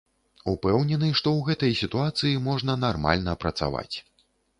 Упэўнены, што ў гэтай сітуацыі можна нармальна працаваць.